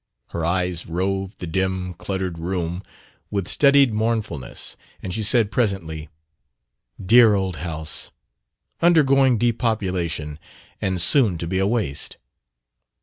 Her eyes roved the dim, cluttered room with studied mournfulness, and she said, presently: "Dear old house! Undergoing depopulation, and soon to be a waste."